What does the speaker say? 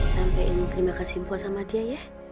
sampein terima kasih mpo sama dia ya